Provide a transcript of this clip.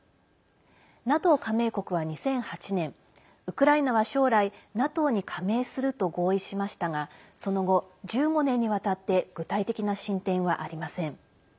ＮＡＴＯ加盟国は２００８年ウクライナは将来ＮＡＴＯに加盟すると合意しましたがその後１５年にわたって具体的な進展はありません。